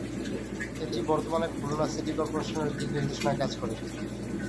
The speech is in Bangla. এটি বর্তমানে খুলনা সিটি করপোরেশনের দিক নির্দেশনায় কাজ করে।